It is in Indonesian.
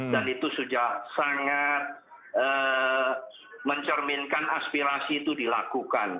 dan itu sudah sangat mencerminkan aspirasi itu dilakukan